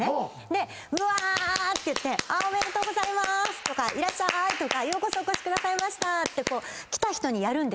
でうわ！って言っておめでとうございまーすとかいらっしゃーいとかようこそお越しくださいましたって来た人にやるんです。